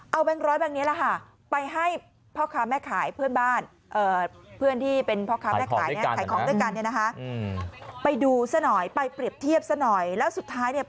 เอาแบงค์ร้อยแบงค์นี้ล่ะค่ะไปให้พ่อค้าแม่ขายเพื่อนบ้าน